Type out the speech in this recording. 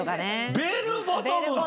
ベルボトム！